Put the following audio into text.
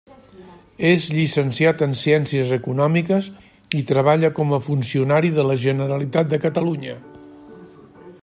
És llicenciat en Ciències Econòmiques i treballa com a funcionari de la Generalitat de Catalunya.